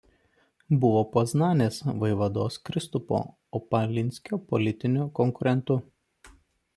Buvo Poznanės vaivados Kristupo Opalinskio politiniu konkurentu.